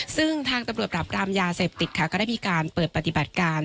ซึ่งทางตำรวจปรับรามยาเสพติดค่ะก็ได้มีการเปิดปฏิบัติการ